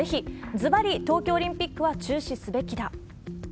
ずばり東京オリンピックは中止すべきだ。